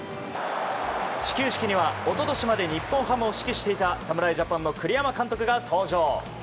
始球式には一昨年まで日本ハムを指揮していた侍ジャパンの栗山監督が登場。